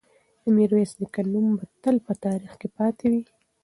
د میرویس نیکه نوم به تل په تاریخ کې پاتې وي.